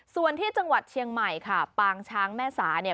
ส่วนที่จังหวัดเชียงใหม่ค่ะปางช้างแม่สาเนี่ย